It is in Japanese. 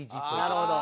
なるほど。